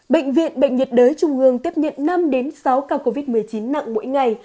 bệnh viện bệnh nhiệt đới trung hương tiếp nhận năm sáu ca covid một mươi chín nặng mỗi ngày